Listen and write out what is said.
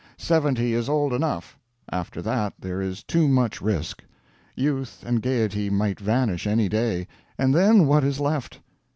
Seventy is old enough after that, there is too much risk. Youth and gaiety might vanish, any day and then, what is left?